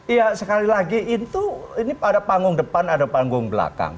iya sekali lagi itu ini ada panggung depan ada panggung belakang